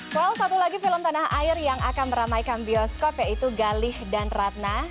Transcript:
well satu lagi film tanah air yang akan meramaikan bioskop yaitu galih dan ratna